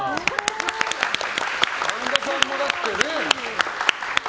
神田さんも、だってね。